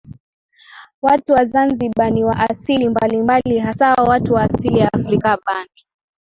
Watu wa Zanzibar ni wa asili mbalimbali hasa watu wa asili ya Afrika Bantu